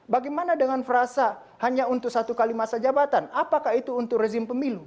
bagaimana dengan frasa hanya untuk satu kali masa jabatan apakah itu untuk rezim pemilu